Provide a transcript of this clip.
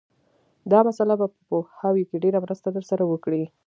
دا مسأله به په پوهاوي کې ډېره مرسته در سره وکړي